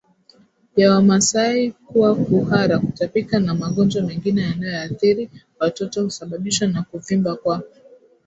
ya Wamasai kuwa kuhara kutapika na magonjwa mengine yanayoathiri watoto husababishwa na kuvimba kwa